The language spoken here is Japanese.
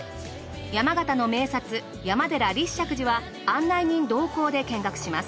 山形の名刹山寺・立石寺は案内人同行で見学します。